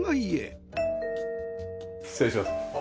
失礼します。